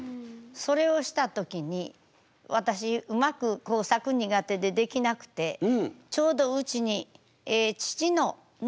それをした時に私うまく工作苦手でできなくてちょうどうちに父の能楽のほうの内弟子さんがいはった。